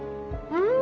うん！